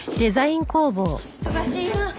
忙しいな。